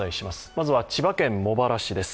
まずは千葉県茂原市です。